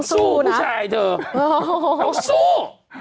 สู้ผู้ชายเถอะสู้